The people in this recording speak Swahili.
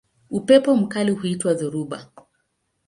Upepo mkali huitwa dhoruba.